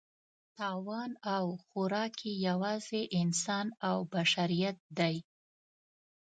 تاوان او خوراک یې یوازې انسان او بشریت دی.